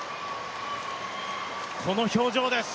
この表情です。